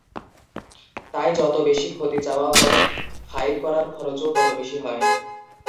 তাই, যত বেশি ক্ষতি চাওয়া হয়, ফাইল করার খরচও তত বেশি হয়।